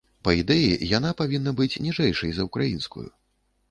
Па ідэі, яна павінна быць ніжэйшай за ўкраінскую.